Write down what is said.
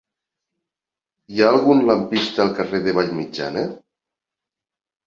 Hi ha algun lampista al carrer de Vallmitjana?